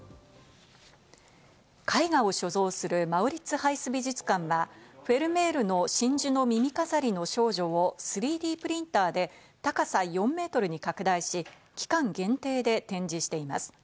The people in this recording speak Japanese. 絵画を所蔵するマウリッツハイス美術館はフェルメールの『真珠の耳飾りの少女』を３Ｄプリンターで、高さ４メートルに拡大し、期間限定で展示しています。